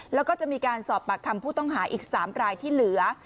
แล้วก็จะมีการสอบปากคำผู้ต้องหาอีก๓รายที่เหลือ